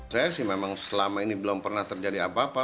saya sih memang selama ini belum pernah terjadi apa apa